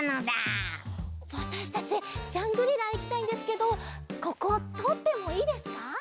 わたしたちジャングリラいきたいんですけどこことおってもいいですか？